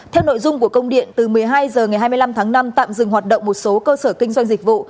theo nội dung của công điện từ một mươi hai h ngày hai mươi năm tháng năm tạm dừng hoạt động một số cơ sở kinh doanh dịch vụ